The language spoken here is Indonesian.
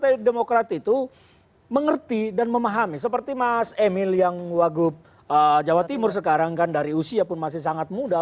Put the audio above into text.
partai demokrat itu mengerti dan memahami seperti mas emil yang wagub jawa timur sekarang kan dari usia pun masih sangat muda